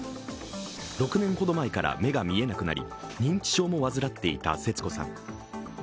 ６年ほど前から目が見えなくなり認知症も患っていた節子さん。